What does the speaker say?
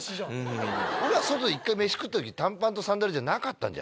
俺ら外で一回飯食った時短パンとサンダルじゃなかった。